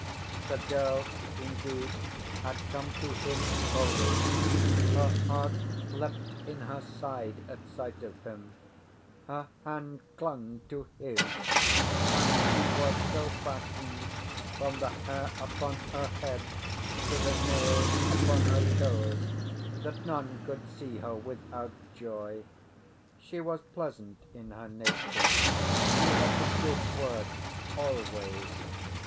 The girl, indeed, had come to him wholly; her heart leapt in her side at sight of him, her hand clung to his; and she was so fashioned from the hair upon her head to the nails upon her toes that none could see her without joy. She was pleasant in her nature. She had the good word always.